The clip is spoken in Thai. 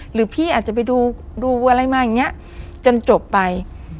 หรือพี่อาจจะไปดูอะไรมาตั้งจบไป